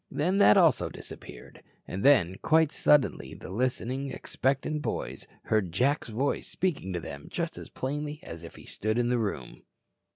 Then, that also disappeared. And then quite suddenly the listening, expectant boys heard Jack's voice speaking to them just as plainly as if he stood in the room.